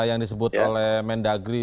yang disebut oleh mendagri